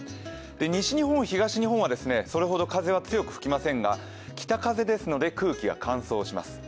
西日本、東日本はそれほど強く吹きませんが北風ですので空気が乾燥します。